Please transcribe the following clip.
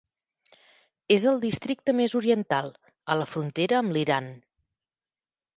És el districte més oriental, a la frontera amb l'Iran.